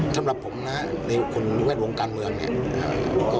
สำหรับผมคุณแม่งโรงการเมือง